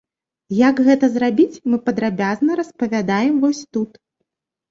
Як гэта зрабіць, мы падрабязна распавядаем вось тут.